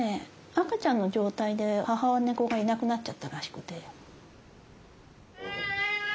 赤ちゃんの状態で母猫がいなくなっちゃったらしくて。